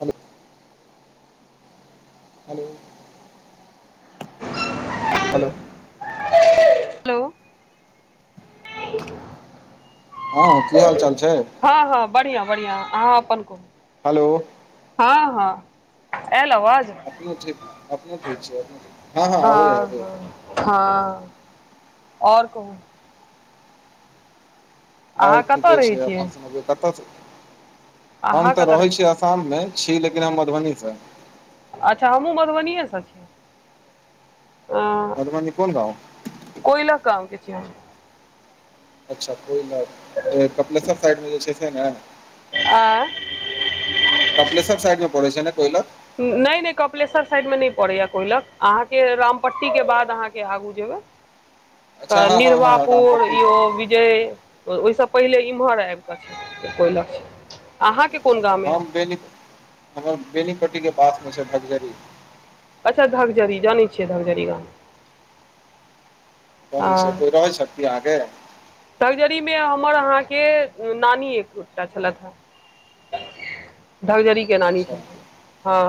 Hello hello hello hello हँ की हाल चाल छै हँ हँ बढ़िआं बढ़िआं अहाँ अपन कहू हेलो हँ हँ आयल आवाज अपने ठीक अपने ठीक छै हँ हँ आबै आबै हँ और कहू अहाँ और कतय ठीके रहै छै छियै अपन समझै कतसँ हम अहाँ तऽ कतय रहै छी छियै आसाम मे छी लेकिन हम मधुबनी से अच्छा हमहूँ मधुबनिएसँ छियै मधुबनी कोन गाँव कोइलक गांव कि छियै हम अच्छा कोइ बात कपिलेश्वर साइडमे जे छै से ने आँय कपलेश्वर साइड मे पड़ै छै ने कोलक नहि नहि कपिलेश्वर साइडमे नहि पड़ैया कोहि लक अहाँके रामपट्टीके बाद अहाँके आगू जेबै अच्छा तऽ हँ हँ हँ निरवापुर रामपट्टी साइडमे यो जे ओहिसँ पहिले इमहर आबिकऽ कोइलख अचछा हम बे हमर बेनीपट्टी के पास मे छै धग्जरी अच्छा धगजरी जानै छियै धगजरी गाम कोनी छै कोइ रहै छथि की अहाँकेे तगजड़मे हमर अहाँके नानी एकोटा छलथि हे गधरीके नानी अच्छा छथिन हँ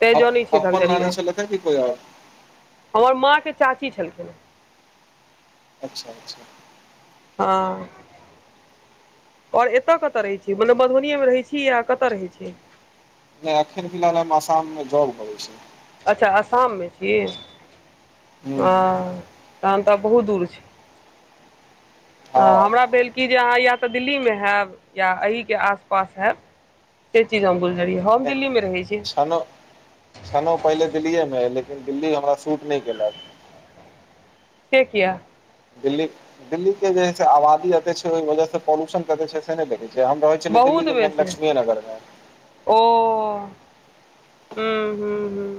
तैं जानै अप- छिय अपन धगजरी नानी छलथि हे कि कोइ आओर हमर माँ के चाची छलखिन अच्छा अच्छा हँ आओर एतय कतय रहैत छै मने मधुबनीएमे रहैत छी या कतय रहैत छी अखेन फिलहाल हम आसाममे जॉब करै छी अच्छा आसाममे छी हूँ हँ तहन तऽ बहुत दूर छी हँ हमरा भेल कि जे अहाँ या तऽ दिल्लीमे हेब या एहिके आस पास हेब से चीज हम गुजरियै, हम नहि दिल्लीमे रहै छी। छनो छनो पहिले दिल्लीए मे हय, लेकिन दिल्ली हमरा शूट नहि केलक। से किया दिल्ली दिल्ली के जे आबादी एते छै, ओहि वजहसँ पॉल्यूशन कते छै, से नहि देखैत छी, हम रहैत छी। बहुत बेसी ओ ह ह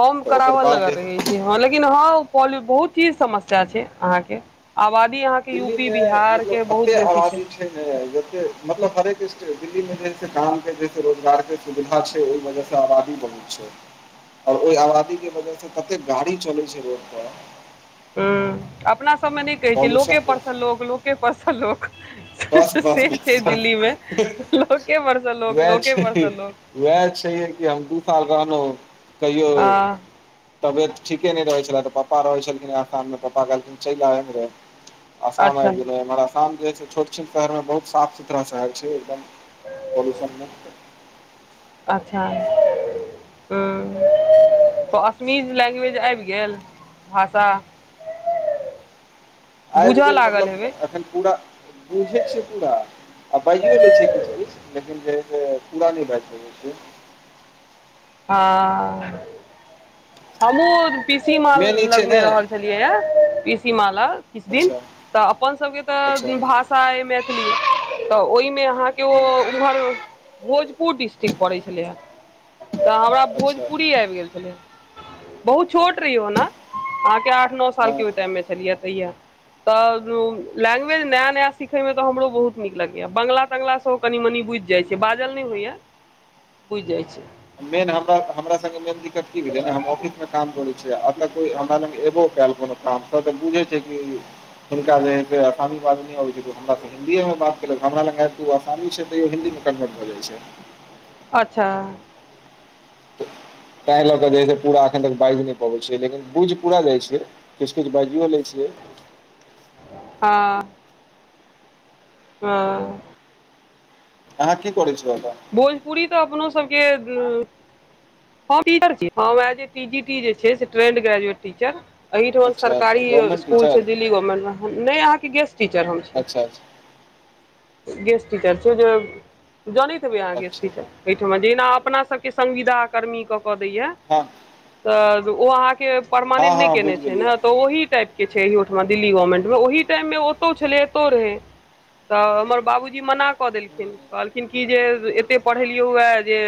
हमम, तऽ कराब ओकर नगर बाद लगल जे रहै हइ छै। लेकिन हँ, पल पल बहुत ही समस्या छै, अहाँके आबादीह। दिल्ली मे मतलब फते आबादी जऽ मतलब हरेक क्षेत्रमे दिल्लीमे जे कामके, जे रोजगारके। सुविधा छै, ओहि वजहसँ आबादी बहुत छै। आओर ओहि आबादीके वजहसँ कते गाड़ी चलै छै रोडपर। हँ, अपना सभमे नहि कहैत छियै, पॉल्यूशन लोकसँ पॉल्यूशन लोक, लोकसँ लोक। बस बस से बस छै। दिल्ली मे बस लोक परस लोक लोके परस लोक उएह छै कि हम दू साल रहलहुँ कहियो। हँ तबियत ठीके नहि रहै छलै तऽ पापाके रहै छलखिन स्थानमे, पपा कहलखिन चलि आबऽमे रहै। आसाम अच्छा आबि गेल हइ, मगर आसाम जे छोट। दक्षिण शहरमे बहुत साफ सुथरा शहर छै, एकदम पॉल्यूशन नहि। अच्छा हँ, तऽ असमिया लैंग्वेज आबि गेल, भाषा। आबि बूझऽ गेल लागल मतलब हेबै एखन पूरा बुझै छियै, पूरा। आ बाजियो लैति छै किछु किछु, लेकिन जे छै से पूरा नहि भऽ सकै छै। हँ हमू पीसी मॉल मेन ई छै लगमे ने रहल छलियै यऽ, पीसी मॉलमे किछु दिन। अच्छा तऽ अपन सभके अच्छा तऽ भाषा मैथिली तऽ ओहिमे अहाँके ओ उमहर भोजपुर डिस्ट्रिक्ट पड़ैत छलै हे तऽ हमरा अच्छा भोजपुरी आबि गेल छलै। बहुत छोट रहिय ने अहके नओ सालके हँ ओहि टाइममे छलियै तऽ, लैंग्वेज अच्छा नया नया। सिखयमे तऽ हमरो बहुत नीक लगैए, बंगला तंगला सेहो कनि मनि बुझि जाइ छै, बाजल नहि होइए। बुझि जाइ छै। मेन, हम हमरा से मेन दिक्कत की भेलै, हम ऑफिस। काम करै छियै, आ तऽ कोइ हमरा एखन पल कोनो काम बुझै छै। हुनका जे छै से आसानीसँ बाजि नहि अबै छै हमरा सभकेँ। हिन्दीए मे बात केलक, हमरा लग तऽ असमिया छै, तैयो हिन्दीमे कन्वर्ट भऽ जाइ छै। अच्छा ताहि लऽ कऽ जे ह पूरा अखन तक बाजि नहि पाबै छै, लेकिन बुझि पूरा जाइ छै, किछु किछु बाजियो लै छै। हँ हँ अहाँ की करै छलहुँ? भोजपुरी तऽ अपनो सभके हम टीचर छी, ए टी जी टी जे छै से ट्रेन्ड ग्रेजुएट टीचर। एहिठाम अच्छा अच्छा सरकारी गवर्नमेन्ट स्कूल छै, टीचर दिल्ली गवर्नमेंटमे ने, अहाँके गेस्ट टीचर हम। छी अच्छा गेस्ट टीचर छै, जनैबै अहाँ गेस्ट अच्छा टीचर। तऽ जेना अपना सभके संविदा कर्मीके कऽ देलै। हँ तऽ ओ अहाँके हँ परमानेंट नहि हँ केने बुझि छै गेलियै ने, तऽ ओहि टाइप। के छै इहोठाम दिल्ली गवर्नमेंटमे, ओहि टाइममे ओतऽ छलै, एतऽ रहै। तऽ हमर बाबूजी मना कऽ देलखिन कहलखिन कि जे एतेक पढ़ेलियै हए जे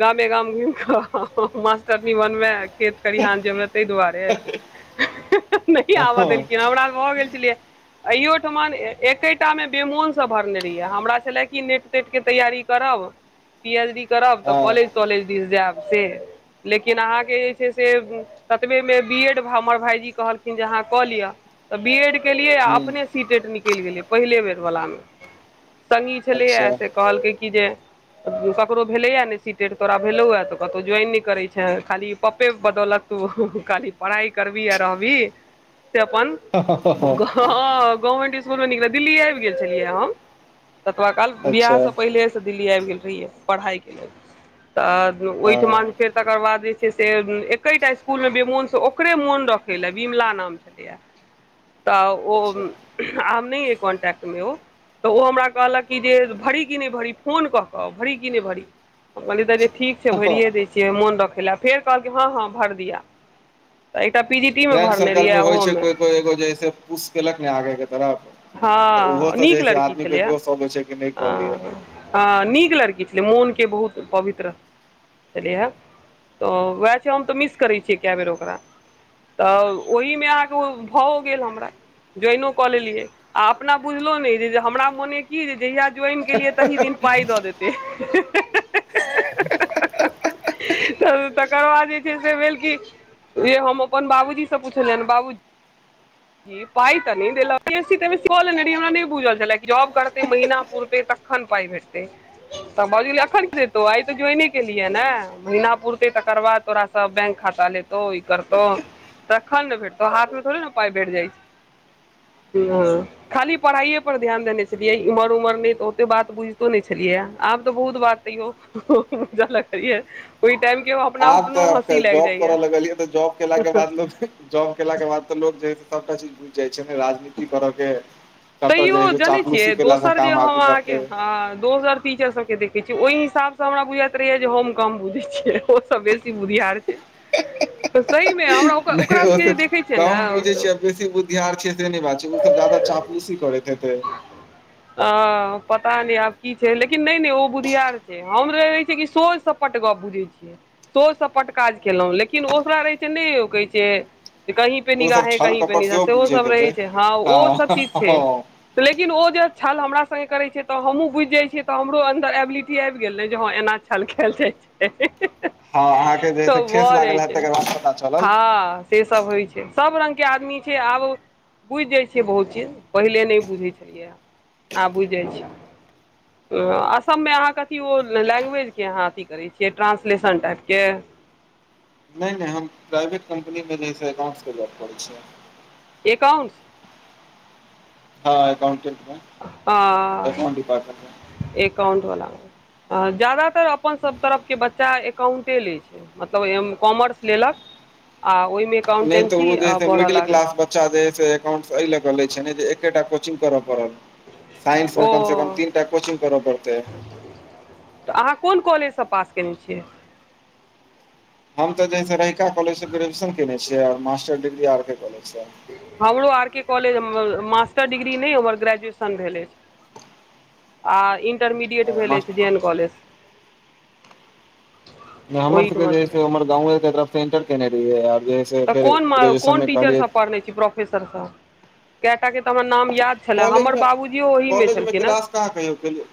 गामे गाम घुम कऽ मास्टरनी बनबे खेत खरिहान जेमेय ताहि दुआरे नहि हँ आबऽ हँ देलखिन हमरा भऽ गेल छलै यऽ अयो ठमन एकेटा मे बेमोन से भरने रहियै हमरा छले की नेट तेट के तैयारी करब पी एच डी करब तऽ कॉलेज तॉलेज दिस जायब से लेकिन अहाँके जे छै से ततबे मे बी एड हमर भायजी कहलखिन जे अहाँ कऽ लिअ तऽ बी एड केलियै आ हुँ अपने सी टेट निकैल गेलै पहिले बेर वला मे स संगी छलैय अच्छा से कहलकै की जे ककरो भेलै अ नइ सी टेट तोरा भेलौ ह तऽ कतहु ज्वाइन नहि करै छऽ खाली पपे बदौलत तू खाली पढ़ाइ करबही आ रहबही से अपन ह ह ह ह हँ गवर्नमेंट स्सकूल मे निक रह दिल्ली आबि गेल छलियै हम तऽ पपा काल बियाह अच्छा सँ पहिले दिल्ली आबि गेल रहियै पढ़ाइ के लेल तऽ हँ ओहिठाम फेर तकर बाद जे छै से एकेटा स्कूलमे बेमोनसँ ओकरे मोन रख बिमला नाम छलै य तऽ आब ओ अच्छा नइ य कोनटेक्ट [unintelligible] तऽ ओ हमरा कहलक कि जे भरी कि नइ भरी फोन कऽ कऽ भरी कि नइ भरी हम कहलियै तऽ जे ठीक छै भरिए दै छियै मोन रखय लए फेर कहलकै हँ हँ भरि दिया तऽ एकटा पी जी टी मे फ्रेंड भरने सर्कल रहियै आ होइ ओहो छै मे कोइ कोइ एगो जे से उस क लक नहि आगे के तरफ तऽ ओहो हँ से जे नीक है से लड़की आदमी छलै के य जोश अबै छै कि नहि कहलियै हँ आ नीक लड़की छले मोन के बहुत पवित्र छलै यै ह तऽ ओह छै हम तऽ मिस करै छियै कए बेर ओकरा तऽ ओहिमे अहाँके भाओ गेल हमरा ज्वाइनो कऽ लेलियै आ अपना बुझलहुँ नइ जे हमरा मने की जे जहिया ज्वइन केलियै तहि दिन पाइ दऽ देतै [inaudible] त तकर बाद जे छै से भेल की जे हम अपन बाबूजी से पुछलियनि बाबूजी पाइ तऽ नइ देलक [unintelligible] हमरा नहि बुझल छल जॉब करते महीना पुरतै तखन पाइ भेटतै तऽ बजलै एखन की हेतौ आइ तऽ ज्वाइने केलिऐ न महना पुरते तकर बाद तोरा सँ बैंक खाता लेतौ तो ई करतौ तखन न भेटतौ हाथ मे थोड़े न पाइ भेट जाय छै हँ खाली पढ़ाइए पर ध्याने देने छलियै इम्हर उमहर नहि तऽ ओते बात बुझितो नहि छलियए आब तऽ बहुत बात तयो [inaudible] करलै ओहि टाइम के अपना आब अपनो तऽ हँसी लागि जॉब जाइये करऽ लगलियै तऽ जॉब केला के बाद मे कोई जॉब केला के बाद तऽ लोक जे ह सबटा चीज बुझि जाइ छै ने राजनीति करऽ के कतऽ तैयो जे है से जनै छियै चापलूसी केला से दोसर जे काम हम आगू अहाँके बढ़तै दोसर टीचर सब के देखै छियै ओहि हिसाब से हमरा बुझैत रहैय जे हम कम बुझै छियै ओ सब बेसी बुधियार छै [inaudible] तऽ सही मे हम नहि ओ सँ कम बझे छिये बेसी बुद्धियार छै से नइ बात छै ओ सब जादा चापलूसी करैत हेतै अ पता नइ आब की छै लेकिन नइ नइ ओ बुधियार छै हम रहय छै कि सोझ सपट गप बुझै छियै सोझ सपट काज केलहुँ लेकिन ओकरा रहै छै नइ ओ कहै छै जे कही पे ओसभ निगाहे छल कहींपे कपट निगाह सेहो बुझैत सभ रहै हेतै छै हँ ओहोसभ चीज छै लेकिन ओ जे छल हमरा संगे करे छै तऽ हमहू बुझिजाय छियै तऽ हमरो अन्दर एबिलिटी आबि गेल ने जे हँ एना छल खैल हे हह हँ अहाँके जे है त से ठेस भै लागल जाइ हैत छै तकर बाद पता चलल हँ से सब होय छै सब रंग के आदमी छै आब बुझ जाय छिए बहुत चीज पहिले न पहिले नहि बुझै छलियै आब बुझै जाइ छियै [inaudible] असममे अहाँ के अथी ओ लैंग्वेजके अहाँ अथी करै छियै ट्रांसलेशन टाइपके नहि नहि हम प्राइवेट कम्पनी में जे एकाउंटके ज पड़ै छियै एकाउंट्स हँ एकाउंटे हँ एकाउंट वाला ज्यादा अपन सब तरफ के बच्चा लै छै मतलब कॉमर्स लेलक आ ओहिमे नहि तऽ एकाउंटेंसी ओ जैसे बढ़य मिडिल लागै क्लास बच्चा बच्चा जे एकाउंट्स एहि लऽ ले छै ने जे एकेटा कोचिंग करऽ पड़ल साइंस में ओ कम से कम तीन टा कोचिंग करय पड़ते तऽ अहाँ कोन कॉलेजसँ पास कयने छियै हम तऽ ज रहिका कॉलेज से ग्रेुएशन केने छियै मास्टर डिग्री आर के कॉलेजसँ हमरो आर के कॉलेजमे मास्टर डिग्री नहि हमर ग्रेजुएशन भेल अछि आ इंटरमीडिएट आओर भेलै मास्टर छै ड एन कॉलेज हमर सबके ओहिठमा जे छलै से हमर गाँंव के तरफ से इंटर केने रहियै आर तऽ कोन कोन टीचरसभ पढ़ने छी प्रोफेसर से कएटा के तऽ हमर नाम याद छलए हमर कॉलेजमे बाबूजी यो ओहिमे छलखिन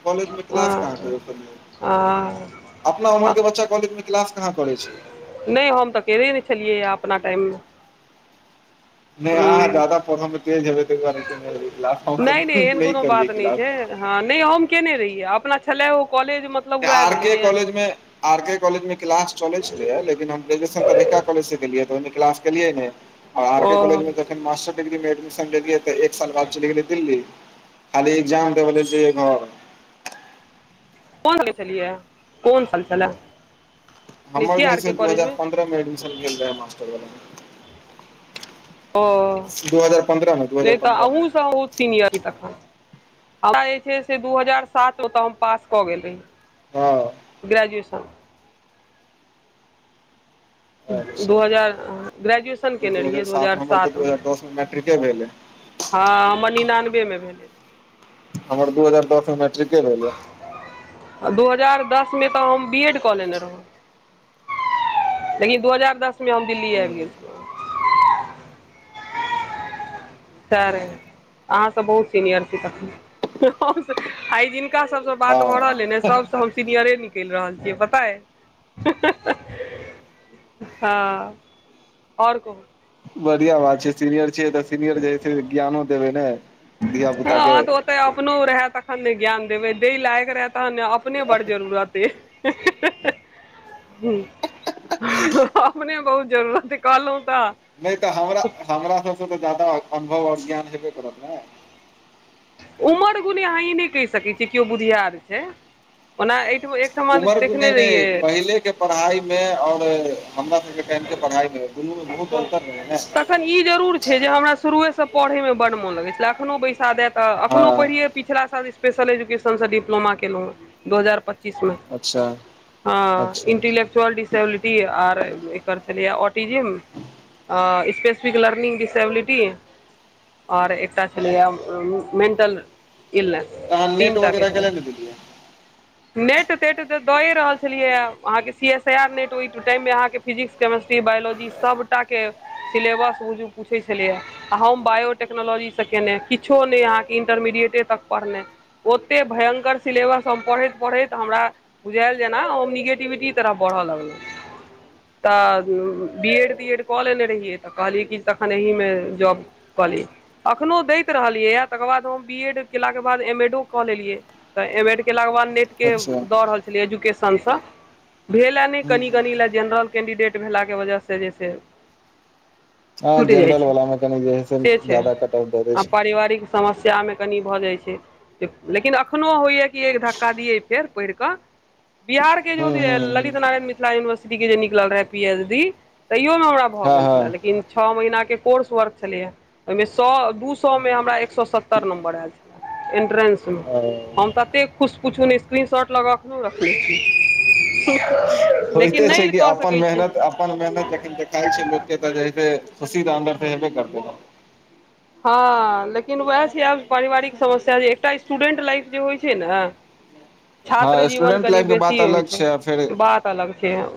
कॉलजं क्लास कहाँ कहियो केलिए आँ अपना उम्हर के बच्चा कॉलेज मे क्लास कहाँ करै छै नहि हम तऽ केेने छलियै अपना टाइम नहि अहा ज्यादा पढ़य तेज हेबै त क्लास हमस एहन नहि कोनो बात करियै नहि छै क्लास हँ नहि हम केने रहियै अपना छलै ओ कॉलेजमे आर के कॉलेज मे आर के कॉलेज मे क्लास चले छलै यै लेकिन हम ग्रेजुएशन त रहिका कॉलेज से केने रहिये त ओहिमे क्लास केलिए ओ नहि तखन मास्टर डिग्री मे एडमिशन लेलियै तऽ एक साल बाद चलि गेलै दिल्ली खाली ए्जाम देब लेल जेयय घर ह [inaudible] कोन साल चलिय है कोन साल छलाह हमर जैसे दू हजार पन्द्रह पंद्रह मे एडमिशन भेल छलाह खेल मास्टर वला ओ नहि तऽ पन्द्रहमे अहुूँ सब सीनियर तखन हमरा जे छै से दू हजार सात ओतऽ हम पास कऽ गेल रहीय हँ ग्रेजुएशन दू अच्छा हजार ग्रेजुएशन केने दू हजार रहियै सात नम्बर त दू सातमे हजार दस मे मैट्रिके भेल या हँ हमर निनानबेमे भेलै हमर दू हजार दस मे मैट्रिके भेल या आ दू हजार दसमे तऽ हम बी एड कऽ लेने रहौ लेकिन दू हजार दस मे हम दिल्ली आबि गेल छलहुँ [inaudible] त्र अहाँ सब बहुत सीनियर छी तखन हह हम त आई हिनका सबसँ बात भऽ हँ रहल है ने सब हम सीनियरे निकलि रहल छियै पता अय हँ आओर कहूँ बढ़िआँ बात छै सीनियर छियै तऽ सीनियर जे है से ज्ञानो देबै ने धियापुताके हँ तऽ ओतय अपनो रहै तखन ने ज्ञान देबै दे लायक रहै तहन ने अपने बड जरूरते ही हि ही ह अपने बहुत जरूरत ह कलहु तऽ नहि तऽ हमरा हमरा सभसँ तऽ जादा अनुभव आओर ज्ञान हेबे करड़त ने उमर गुण अहाँ ई नहि कहि सकैत छियै केओ बुघिआर छै ओ ईठ ऐ उमर गूने ने पहिले के पढ़ाई मे और हमरा सबके टाइम के पढ़ाई मे दुनू मे बहुत अन्तर रहै ने तखन ई जरूुर छै जे हमरा शुरुए से पढ़य मे बड मन लगै छल अखनो बैसा देए त अखनो हँ पढ़िय पछिला साल स्पेशल एजुकेशन से डिप्लोमा केलहुंँ दू हजार पच्चीस मे अच्छा ह अच्छा इंटेल लक्चुअल डिसबिलिटी आर एकर छलै ऑटीजम हँ स्पेसिफिक लर्निंग डिसबिलिटी आओर एकटा छलैए मेंटल इलनेस तहन नेट तीन टा के छल [inaudible] नेट तेट तऽ दएए रहल छलियै ह अहाँके C S I R NET ओहि टाइम मे अहाँके फिजिक्स केमेस्ट्री बायोलॉजी सबटाके सिलेबस बुक्षु पूछै छलैय आ हम बायोटेक्नोलॉजी सँ केयने किछो नहि अहाँके इंटरमीडिएटे तक पढ़नाइ ओतेक भयंकर सिलेवस हम पढ़इ पढ़ै तऽ हमरा बुझायल जेना ओ निगेटिविटी तरफ बढ़य लगलै तऽ बी एड तीएड कऽ लेने रहियै तऽ कहलियै कि तखन एहिमे जॉब कहलियी एखनोहु दैत रहलियैए तकर बाद हम बी एड केलाके बाद एम एडो कऽ लेलियै तऽ एम एड केला क वाद नेट के अच्छा दऽ रहल छली एजुकेशन भेल नहि कनि हूँ कनि ल जेनरल कैंडिडेट भेलाके वजह सँ जे छै हँ छुटि जाइ जनरल छै वाला मे कनि जे है से छै जादा कट ऑफ दऽ दै आ छै पारिवारिक समस्या मे कनि भऽ जाइ छै लेकिन अखनो होइएा कि एक धक्का दियै से पइढ़ के बिहार के हूँ हूँ हूँ ललित नारायण मिथिला यूनिवर्सिटी के जे निकल रहै पी एच डी तैयोमे हमरा भऽ हँ गेल हँ छलए लेकिन छओ महिना के कोर्स वर्क छलैएे ओहिमे सए दू सएमे हमरा एक सए सत्तर नम्बर आयल छलए एन्ट्रेंसमे ओ हम तऽ एतेक खुश पुछू ने स्क्रीन शॉट लऽ कऽ एखनोहु रखने छी होइते लेकिन छै नहि कि कऽ अपन सकैत छी मेहनत अपन मेहनत जखन खाइ छै लोकके तऽ जे से खुशीद अंडर तऽ हेबे करतै ने हँ लेकिन उएह छै आब पारिवारिक समस्या जे एकटा स्टूडेंट लाइफ जे होइ छै ने छात्र हँ जीवन स्टूडेंट कनि लाइफ के बात बेसी होइ अलग छै आ फेर बात अलग छै ह